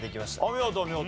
お見事お見事。